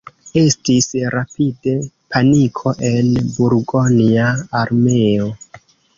Estis rapide paniko en burgonja armeo.